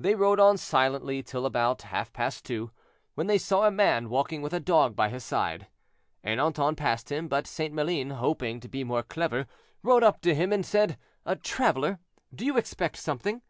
They rode on silently till about half past two, when they saw a man walking with a dog by his side. Ernanton passed him; but St. Maline, hoping to be more clever, rode up to him and said, "Traveler, do you expect something?"